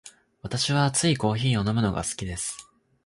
私は熱いコーヒーを飲むのが好きです。